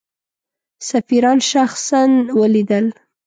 سفیران شخصا ولیدل.